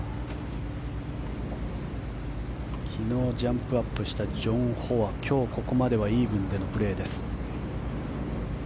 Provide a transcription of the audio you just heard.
昨日ジャンプアップしたジョン・ホは今日ここまではイーブンでのプレーです。